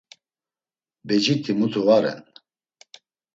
Beciti mutu va ren.